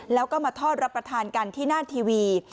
แล้วก็มาทอดรับประทานกันที่หน้าทีวี